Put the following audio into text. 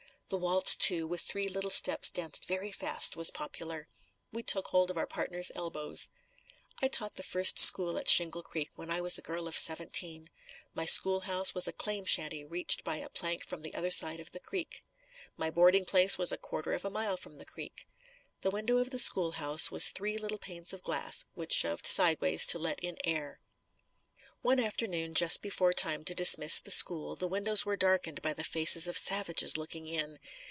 The waltz, too, with three little steps danced very fast, was popular. We took hold of our partner's elbows. I taught the first school at Shingle Creek when I was a girl of seventeen. My school house was a claim shanty reached by a plank from the other side of the creek. My boarding place was a quarter of a mile from the creek. The window of the school house was three little panes of glass which shoved sideways to let in the air. One afternoon just before time to dismiss the school, the windows were darkened by the faces of savages looking in.